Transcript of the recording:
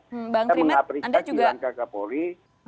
saya mengapresiasi rangka kapolri